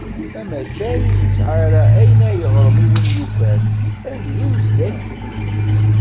Amakar ur nesɛi ara ayen ara yeɣrem i win yuker, ad yenz d akli.